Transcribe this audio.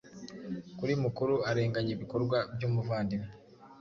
Kuri mukuru arenganya ibikorwa byumuvandimwe